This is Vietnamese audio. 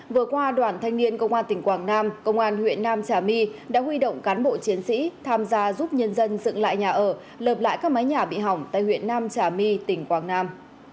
vừa qua đoàn thanh niên công an tỉnh quảng nam công an huyện nam trà my đã huy động cán bộ chiến sĩ tham gia giúp nhân dân dựng lại nhà ở lợp lại các máy nhà bị hỏng tại huyện nam trà my tỉnh quảng nam